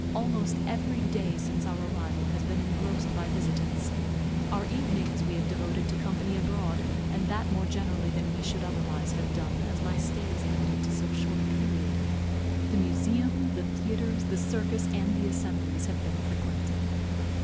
Almost every day since our arrival has been engrossed by visitants. Our evenings we have devoted to company abroad; and that more generally than we should otherwise have done, as my stay is limited to so short a period. The museum, the theatres, the circus, and the assemblies have been frequented.